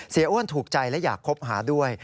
อ้วนถูกใจและอยากคบหาด้วย